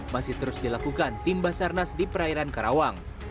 masih terus dilakukan tim basarnas di perairan karawang